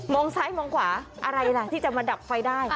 งซ้ายมองขวาอะไรล่ะที่จะมาดับไฟได้